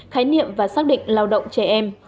khái niệm và xác định lao động trẻ em